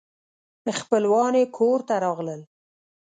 خپلوان یې کور ته راغلل.